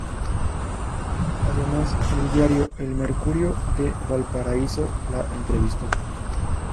Además, el diario "El Mercurio de Valparaíso" la entrevistó.